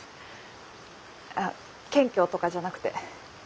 あ謙虚とかじゃなくて。